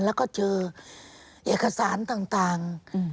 แล้วก็เจอเอกสารต่าง